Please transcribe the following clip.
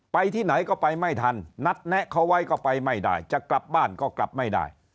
ที่ไหนก็ไปไม่ทันนัดแนะเขาไว้ก็ไปไม่ได้จะกลับบ้านก็กลับไม่ได้